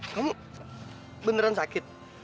kamu beneran sakit